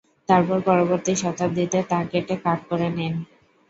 তারপর পরবর্তী শতাব্দীতে তা কেটে কাঠ করে নেন।